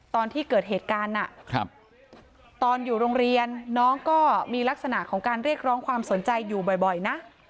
ตอนที่เกิดเหตุการณ์ตอนอยู่โรงเรียนน้องก็มีลักษณะของการเรียกร้องความสนใจอยู่บ่อยนะ